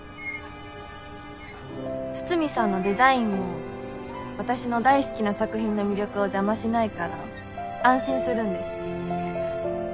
筒見さんのデザインも私の大好きな作品の魅力を邪魔しないから安心するんです。